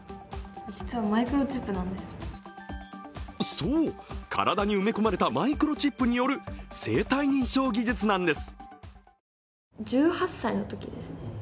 そう、体に埋め込まれたマイクロチップによる生体認証技術なんです。